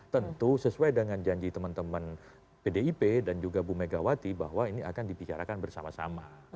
tentu sesuai dengan janji teman teman pdip dan juga bu megawati bahwa ini akan dibicarakan bersama sama